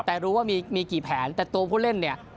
แต่รู้ว่ามีกี่แผนแต่ตัวผู้เล่นเนี่ย